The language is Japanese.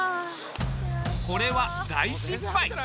これは大失敗。